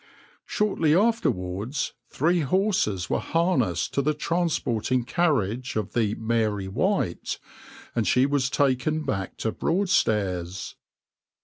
\par Shortly afterwards three horses were harnessed to the transporting carriage of the {\itshape{Mary White}}, and she was taken back to Broadstairs.